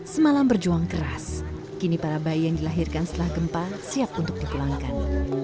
semalam berjuang keras kini para bayi yang dilahirkan setelah gempa siap untuk dipulangkan